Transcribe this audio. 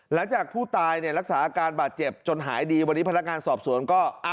หลังจากผู้ตายเนี่ยรักษาอาการบาดเจ็บจนหายดีวันนี้พนักงานสอบสวนก็